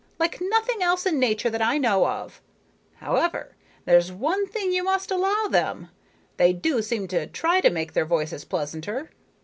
Like nothing else in nature that I know of. However, there's one thing you must allow them: they do seem to try to make their voices pleasanter.